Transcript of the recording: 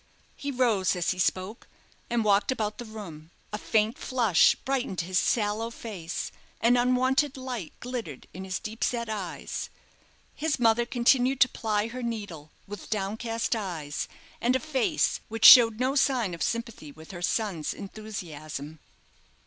He rose as he spoke, and walked about the room. A faint flush brightened his sallow face, an unwonted light glittered in his deep set eyes. His mother continued to ply her needle, with downcast eyes, and a face which showed no sign of sympathy with her son's enthusiasm.